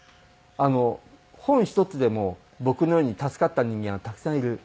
あの本一つでも僕のように助かった人間はたくさんいる。